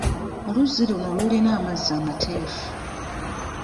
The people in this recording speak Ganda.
Oluzzi luno lulina amazzi amateefu.